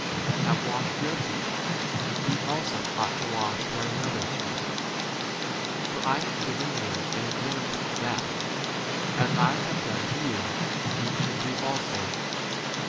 He er have washed your feet, ye also ought to wash one another's feet ; 15 for I have given you an example that, as I * have done to you, ye * 16 should do also.